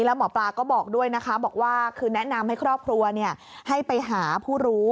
แล้วหมอปลาก็แนะนำให้ครอบครัวให้ไปหาผู้รู้